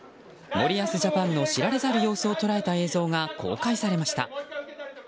森保ジャパンの知られざる様子を捉えた映像が公開されました。